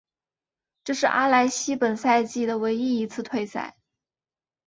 这是阿莱西本赛季的唯一一次退赛。